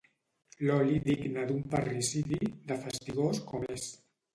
L'oli digne d'un parricidi, de fastigós com és.